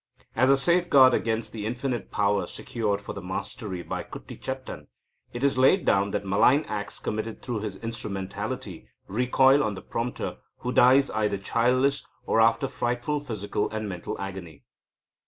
As a safeguard against the infinite power secured for the master by Kuttichattan, it is laid down that malign acts committed through his instrumentality recoil on the prompter, who dies either childless or after frightful physical and mental agony.